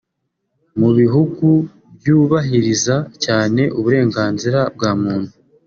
Mu bihugu byubahiriza cyane uburenganzira bwa muntu